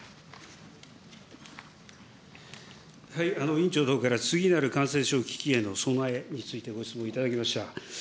委員長のほうから次なる感染症危機への備えについて、ご質問いただきました。